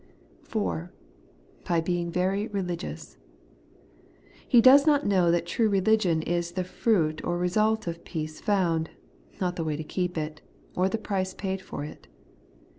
4. By being very religious. He does not know that true religion is the fruit or result of peace found, not the way to it, or the price paid for it.